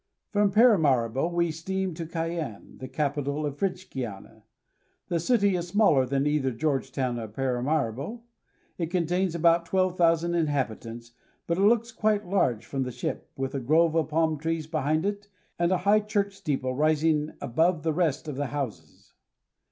From Paramaribo we steam to Cayenne, the capital of French Guiana. The city is smaller than either George town or Paramaribo. It contains about twelve thousand inhabitants, but it looks quite large from the ship, with a grove of palm trees behind it and a high church steeple rising above the rest of the houses.